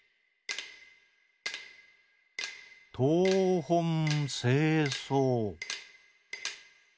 「とうほんせいそう」。